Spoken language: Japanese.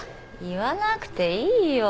言わなくていいよ。